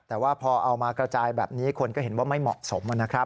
แต่ว่าพอเอามากระจายแบบนี้คนก็เห็นว่าไม่เหมาะสมนะครับ